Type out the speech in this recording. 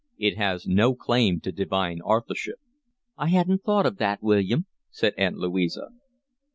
It has no claim to divine authorship." "I hadn't thought of that, William," said Aunt Louisa.